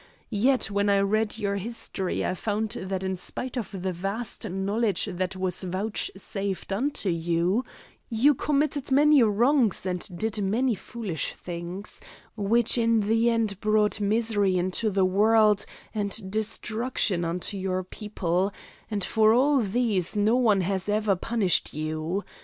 Yet when I read your history I found that in spite of the vast knowledge that was vouchsafed unto you, you committed many wrongs and did many foolish things, which in the end brought misery into the world and destruction unto your people; and for all these no one has ever punished you.